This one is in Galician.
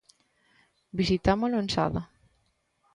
Visitámolo en Sada.